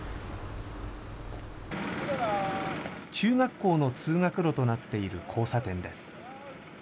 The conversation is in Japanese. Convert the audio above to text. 中学校の通学路となっている交差点です。